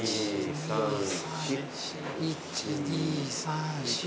１２３４。